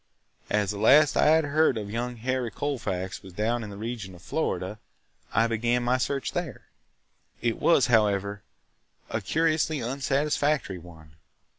As the last I had heard of young Harry Colfax was down in the region of Florida, I began my search there. It was, however, a curiously unsatisfactory one.